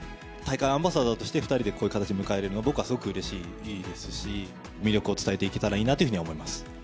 大会アンバサダーとして、２人でこういう形で迎えるのは、僕はすごくうれしいですし、魅力を伝えていけたらいいなというふうに思います。